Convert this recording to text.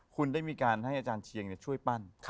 คุณได้มีการให้อาจารย์เชียงช่วยปั้น